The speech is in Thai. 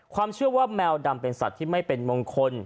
เชื่อว่าแมวดำเป็นสัตว์ที่ไม่เป็นมงคล